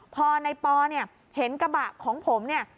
พอในปอเนี่ยเห็นกระบะของผมเนี่ย